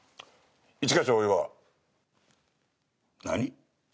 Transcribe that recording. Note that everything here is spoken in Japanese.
何！？